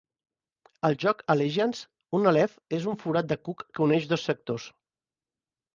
Al joc "Allegiance", un Aleph és un forat de cuc que uneix dos sectors.